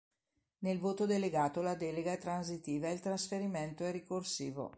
Nel voto delegato la delega è transitiva e il trasferimento è ricorsivo.